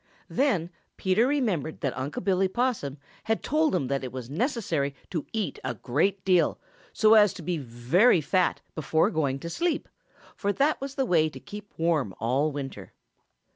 Then Peter remembered that Unc' Billy Possum had told him that it was necessary to eat a great deal so as to be very fat before going to sleep, for that was the way to keep warm all winter.